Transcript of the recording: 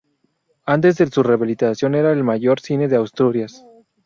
Antes de su rehabilitación era el mayor cine de Asturias.